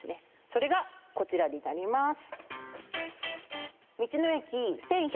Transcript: それがこちらになります